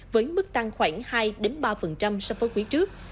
với mức tăng khoảng hai ba so với quý trước